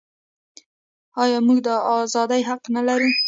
آیا موږ د ازادۍ حق نلرو؟